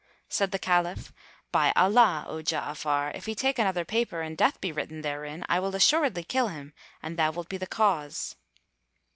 Said the Caliph, "By Allah, O Ja'afar, if he take another paper and death be written therein, I will assuredly kill him, and thou wilt be the cause."